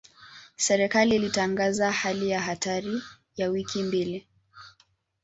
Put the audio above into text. Serikali ilitangaza hali ya hatari ya wiki mbili.